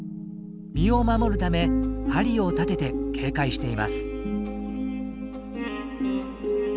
身を守るため針を立てて警戒しています。